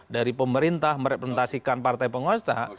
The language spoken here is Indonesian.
dari pemerintah merepresentasikan partai penguasa